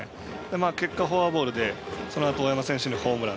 結果、フォアボールでそのあと大山選手にホームラン。